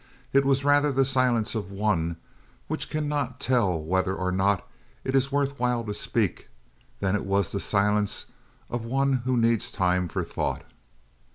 It was rather the silence of one which cannot tell whether or not it is worth while to speak than it was the silence of one who needs time for thought.